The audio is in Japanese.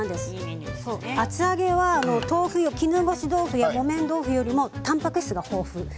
厚揚げは絹ごし豆腐や木綿豆腐よりもたんぱく質が豊富です。